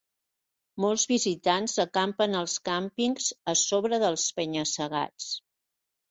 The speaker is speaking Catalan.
Molts visitants acampen als càmpings a sobre dels penya-segats.